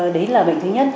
đấy là bệnh thứ nhất